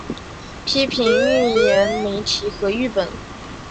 批评预言媒体和誊本